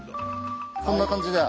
こんな感じで。